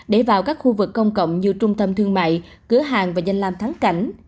để vào các khu vực công cộng như trung tâm thương mại cửa hàng và danh làm thắng cảnh